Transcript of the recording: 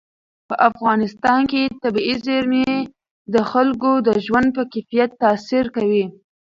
په افغانستان کې طبیعي زیرمې د خلکو د ژوند په کیفیت تاثیر کوي.